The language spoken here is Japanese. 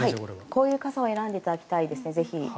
こういう傘を選んでいただきたいですね。